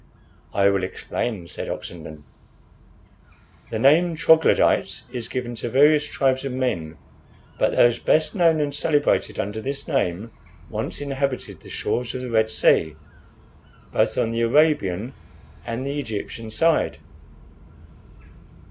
"I will explain," said Oxenden. "The name Troglodytes is given to various tribes of men, but those best known and celebrated under this name once inhabited the shores of the Red Sea, both on the Arabian and the Egyptian side.